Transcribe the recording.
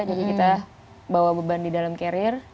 jadi kita bawa beban di dalam carrier